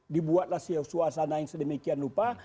dibuatlah suasana yang sedemikian rupa